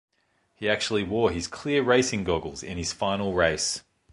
He actually wore his clear racing goggles in his final race.